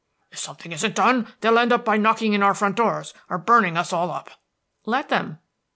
"If something isn't done, they'll end up by knocking in our front doors or burning us all up." "Let them."